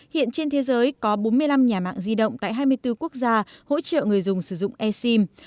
hiện trên thế giới có bốn mươi năm nhà mạng di động tại hai mươi bốn quốc gia hỗ trợ người dùng sử dụng e sim